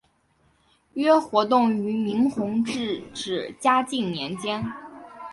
约活动于明弘治至嘉靖年间。